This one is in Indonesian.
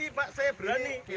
diatas peti pak saya berani